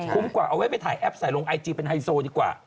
กว่าเอาไว้ไปถ่ายแอปใส่ลงไอจีเป็นไฮโซดีกว่า